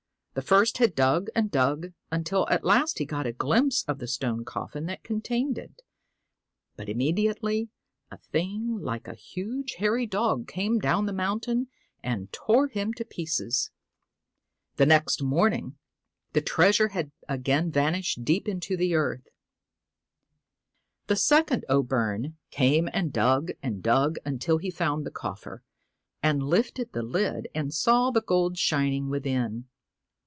The first had dug and dug until at last he got a glimpse of the stone coffin that contained it, but immediately a thing like a huge hairy dog came down the mountain and tore him to pieces. The next morning the treasure had again vanished deep into the earth. The second O' Byrne came and dug and dug until he found the coffer, and lifted the lid and saw the gold shining within.